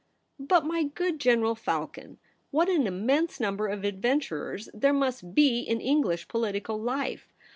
* But, my good General Falcon, what an immense number of adventurers there must be in English political life